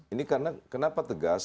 ini kenapa tegas